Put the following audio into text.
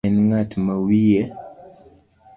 En ng'at ma wiye